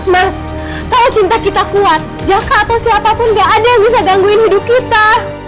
mas kalau cinta kita kuat jakak atau siapa pun nggak ada yang bisa gangguin hidup kita